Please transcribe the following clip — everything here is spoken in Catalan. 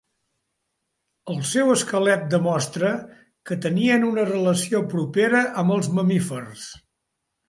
El seu esquelet demostra que tenien una relació propera amb els mamífers.